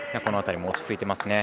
この辺りも落ち着いてます。